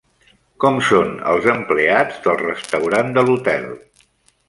Com són els empleats del restaurant de l'hotel?